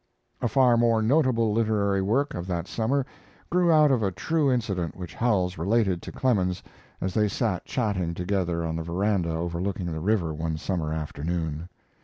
A far more notable literary work of that summer grew out of a true incident which Howells related to Clemens as they sat chatting together on the veranda overlooking the river one summer afternoon.